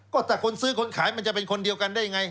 ก็แต่คนซื้อคนขายมันจะเป็นคนเดียวกันได้ไง